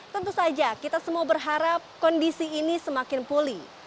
tentu saja kita semua berharap kondisi ini semakin pulih